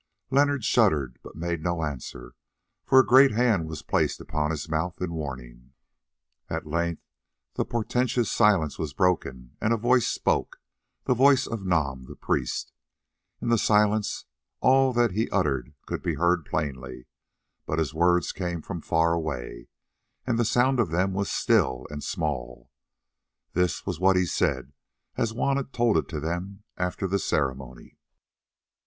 Leonard shuddered, but made no answer, for a great hand was placed upon his mouth in warning. At length the portentous silence was broken and a voice spoke, the voice of Nam the priest. In the silence all that he uttered could be heard plainly, but his words came from far away, and the sound of them was still and small. This was what he said, as Juanna told it to them after the ceremony.